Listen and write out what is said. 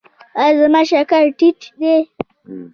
ایا زما شکر ټیټ دی؟